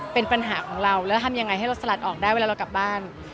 เป็นปัญหาของเราแล้วทำยังไงให้เราสลัดออกได้เวลาเรากลับบ้าน